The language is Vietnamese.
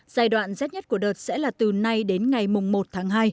giai đoạn rét nhất của đợt sẽ là từ nay đến ngày một tháng hai